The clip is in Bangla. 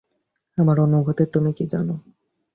আমার অনুভূতির তুমি কী জানো?